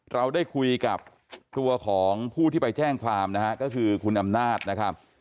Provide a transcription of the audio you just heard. เราได้คุยกับตัวของผู้ที่ไปแจ้งความนะฮะก็คือคุณอำนาจนะครับ